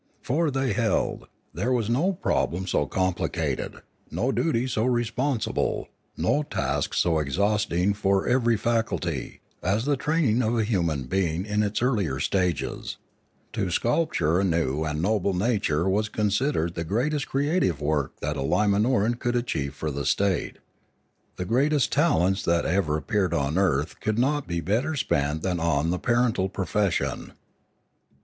For, they held, there was no problem so complicated, no duty so responsible, no task so exhausting for every faculty, as the training of a human being in its earlier stages; to sculpture a new and noble nature was con sidered the greatest creative work that a Limanoran could achieve for the state; the greatest talents that ever appeared on earth could not be better spent than on the parental profession.